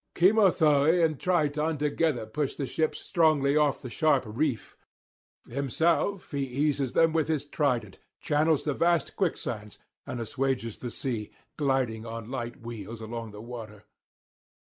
Cymothoë and Triton together push the ships strongly off the sharp reef; himself he eases them with his trident, channels the vast quicksands, and assuages the sea, gliding on light wheels along the water.